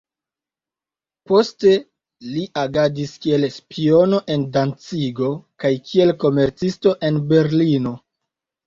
Poste li agadis kiel spiono en Dancigo kaj kiel komercisto en Berlino.